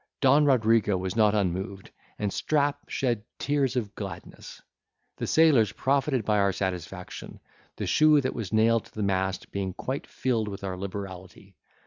Don Rodrigo was not unmoved, and Strap shed tears of gladness. The sailors profited by our satisfaction, the shoe that was nailed to the mast being quite filled with our liberality.